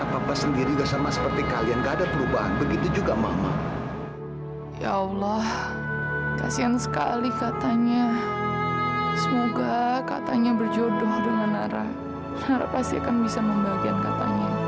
papa kesini untuk minta maaf